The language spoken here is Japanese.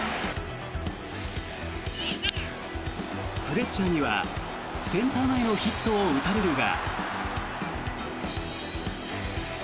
フレッチャーにはセンター前のヒットを打たれるが。